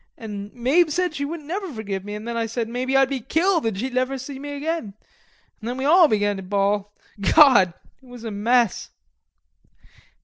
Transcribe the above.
An' Mabe said she wouldn't never forgive me, an' then I said maybe I'd be killed an' she'd never see me again, an' then we all began to bawl. Gawd! it was a mess....